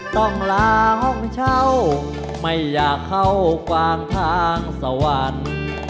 ต้องล้างห้องเช่าไม่อยากเข้ากวางทางสวรรค์